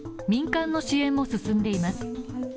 民間の支援も進んでいます。